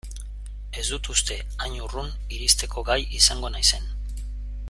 Ez dut uste hain urrun iristeko gai izango naizen.